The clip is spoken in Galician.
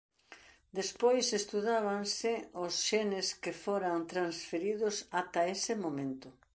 Despois estudábanse os xenes que foran transferidos ata ese momento.